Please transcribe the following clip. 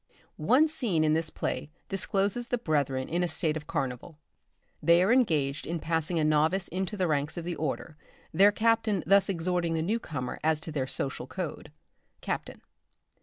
One scene in this play discloses the brethren in a state of carnival. They are engaged in passing a novice into the ranks of the order, their captain thus exhorting the new comer as to their social code: "_Captain.